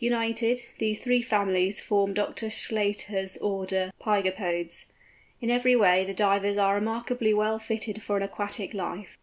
United, these three families form Dr. Sclater's order Pygopodes. In every way the Divers are remarkably well fitted for an aquatic life.